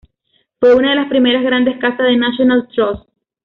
Fue una de primeras grandes casas del National Trust.